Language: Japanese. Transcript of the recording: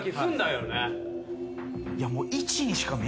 いやもう。